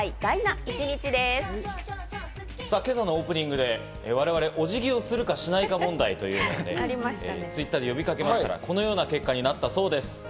今朝のオープニングで我々、お辞儀をするかしないか問題ということで、Ｔｗｉｔｔｅｒで呼びかけましたら、このような結果になったそうです。